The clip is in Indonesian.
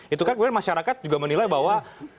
itu kan kemudian masyarakat juga menilai bahwa